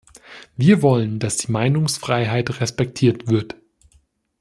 Wir wollen, dass die Meinungsfreiheit respektiert wird.